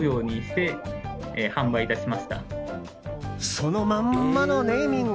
そのまんまのネーミング！